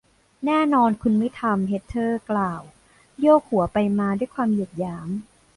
แน่นอน คุณไม่ทำ แฮทเทอร์ กล่าว โยกหัวไปมาด้วยความเหยียดหยาม